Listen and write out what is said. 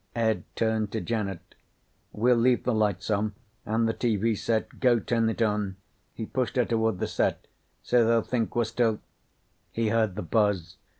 Ed turned to Janet. "We'll leave the lights on. And the TV set. Go turn it on." He pushed her toward the set. "So they'll think we're still " He heard the buzz.